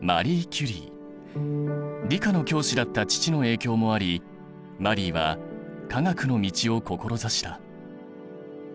理科の教師だった父の影響もありマリーは科学の道を志した。